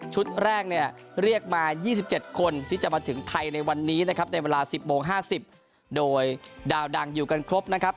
แรกเนี่ยเรียกมา๒๗คนที่จะมาถึงไทยในวันนี้นะครับในเวลา๑๐โมง๕๐โดยดาวดังอยู่กันครบนะครับ